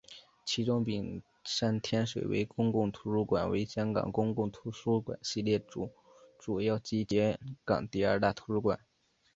其中屏山天水围公共图书馆为香港公共图书馆系统中主要及全港第二大图书馆。